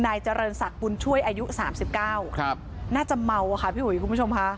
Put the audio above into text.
นายเจริญศักดิ์บุญช่วยอายุ๓๙น่าจะเมาอะค่ะพี่อุ๋ยคุณผู้ชมค่ะ